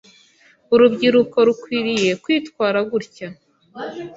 Urubyiruko rukwiriye kwitwara gutya.